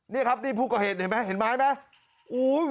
เนี่ยครับนี่ภูเขาเห็นเห็นไหมเห็นไม้ไหมอู๋